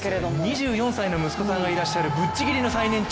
２４歳の息子さんがいらっしゃるぶっちぎりの最年長。